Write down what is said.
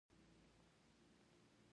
وادي د افغانانو د معیشت سرچینه ده.